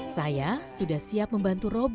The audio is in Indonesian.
saya sudah siap membantu robert